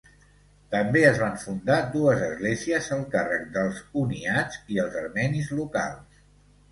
També es van fundar dues esglésies al càrrec dels uniats i els armenis locals.